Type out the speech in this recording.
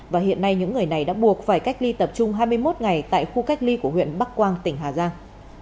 và hiện nay những người này đã buộc phải cách ly tập trung hai mươi một ngày tại khu cách ly của huyện bắc quang tỉnh hà giang